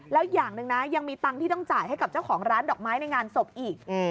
แล้วอย่างหนึ่งนะยังมีตังค์ที่ต้องจ่ายให้กับเจ้าของร้านดอกไม้ในงานศพอีก